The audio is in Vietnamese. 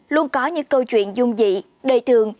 luôn có những câu chuyện dung dị đầy thường